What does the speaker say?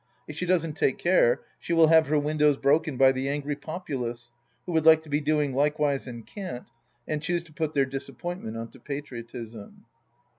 If she doesn't take care, she will have her windows broken by the angry populace, who would like to be doing likewise and can't, and choose to put their disappointment on to patriotism.